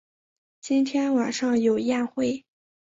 今天晚上有宴会